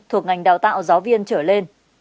thuộc ngành đào tạo giáo viên trở lên